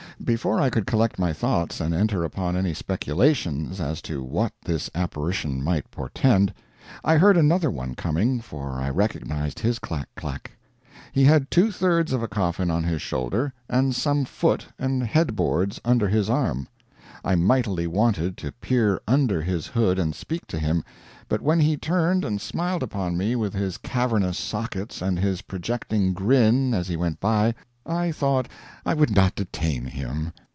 Before I could collect my thoughts and enter upon any speculations as to what this apparition might portend, I heard another one coming for I recognized his clack clack. He had two thirds of a coffin on his shoulder, and some foot and head boards under his arm. I mightily wanted to peer under his hood and speak to him, but when he turned and smiled upon me with his cavernous sockets and his projecting grin as he went by, I thought I would not detain him.